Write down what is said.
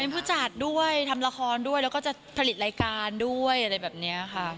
เป็นผู้จัดด้วยทำละครด้วยแล้วก็จะผลิตรายการด้วยอะไรแบบนี้ค่ะ